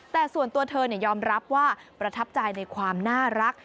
แต่ส่วนตัวเธอยอมรับว่าประทับใจในความน่ารัก